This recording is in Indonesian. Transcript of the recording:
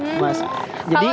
kalau yang ini dari